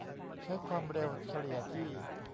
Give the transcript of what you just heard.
ใช้ความเร็วเฉลี่ยที่